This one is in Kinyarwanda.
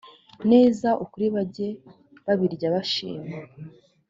neza ukuri bajye babirya bashima